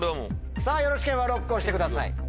さぁよろしければＬＯＣＫ押してください。